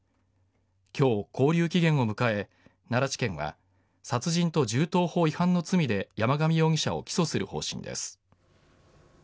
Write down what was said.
今日、勾留期限を迎え奈良地検は殺人と銃刀法違反の罪で山上容疑者を起訴する方針です。